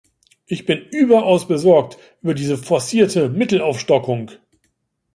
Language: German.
Ich bin überaus besorgt über diese forcierte Mittelaufstockung.